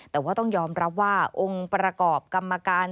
แต่ว่าต้องยอมรับว่าองค์ประกอบกรรมการ